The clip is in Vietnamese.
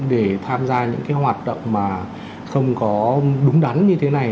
để tham gia những cái hoạt động mà không có đúng đắn như thế này